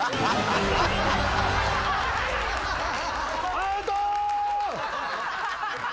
アウト！